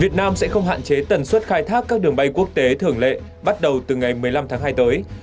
việt nam sẽ không hạn chế tần suất khai thác các đường bay quốc tế thường lệ bắt đầu từ ngày một mươi năm tháng hai tới